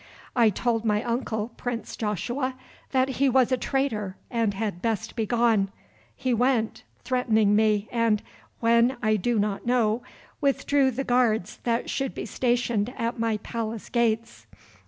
I told my uncle, Prince Joshua, that he was a traitor and had best be gone. He went, threatening me and, when I do not know, withdrew the guards that should be stationed at my palace gates.